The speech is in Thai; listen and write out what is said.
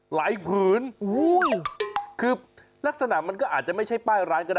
ผืนคือลักษณะมันก็อาจจะไม่ใช่ป้ายร้านก็ได้